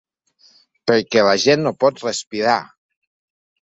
Perquè la gent no pot respirar!